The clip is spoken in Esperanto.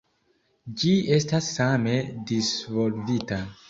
Ĝi estas same disvolvita.